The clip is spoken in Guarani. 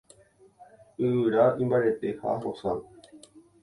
Yvyra imbarete ha hosã.